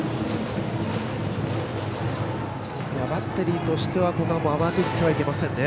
バッテリーとしては甘くいってはいけませんね。